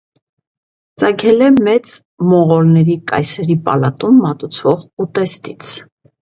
Ծագել է մեծ մողոլների կայսրերի պալատում մատուցվող ուտեստից։